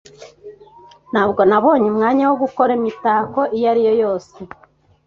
Ntabwo nabonye umwanya wo gukora imitako iyo ari yo yose.